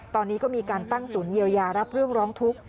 ตอนนี้ก็มีการตั้งศูนย์เยียวยารับเรื่องร้องทุกข์